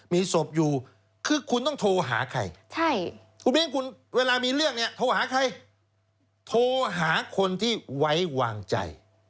มีศพอยู่คือคุณต้องโทรหาใครคุณมิ้นคุณเวลามีเรื่องเนี่ยโทรหาใครโทรหาคนที่ไว้วางใจ